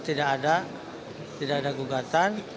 tidak ada tidak ada gugatan